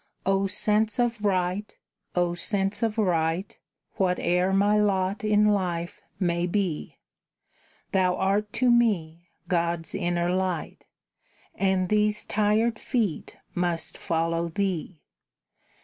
O sense of right! O sense of right, Whate'er my lot in life may be, Thou art to me God's inner light, And these tired feet must follow thee.